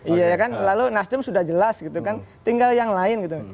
iya ya kan lalu nasdem sudah jelas gitu kan tinggal yang lain gitu